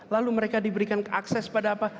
lalu mereka diberikan akses pada apa